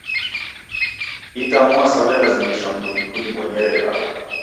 Itamwaa siwe'lazimisha mndungi unibonyere ilagho